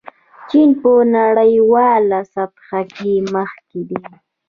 چین په نړیواله صحنه کې مخکښ دی.